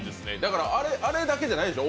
あれだけじゃないんでしょ？